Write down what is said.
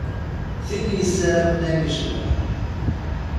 Tin yessaramen ayen icebḥen.